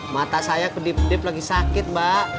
mata saya kedip kedip lagi sakit mbak